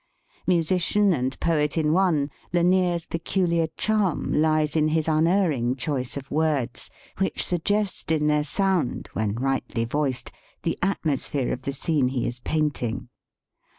Musician and poet in one, Lanier 's peculiar charm lies in his unerring choice of words, which suggest in their sound, when rightly voiced, the at mosphere of the scene he is painting.